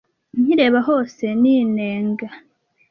Nkireba hose ninenga